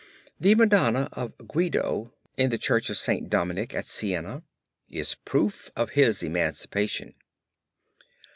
The Madonna of Guido in the Church of St. Dominic at Siena is the proof of his emancipation.